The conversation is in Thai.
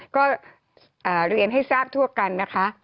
ก็เรียนให้ทราบทั่วกันนะคะ